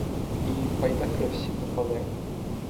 І байдаки всі попалив.